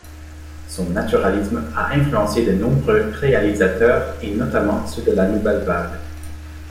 Son naturalisme a influencé de nombreux réalisateurs, et notamment ceux de la Nouvelle Vague.